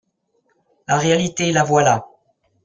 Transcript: La réalité, la voilà.